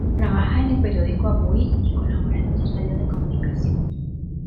Trabaja en el periódico Avui y colabora en otros medios de comunicación.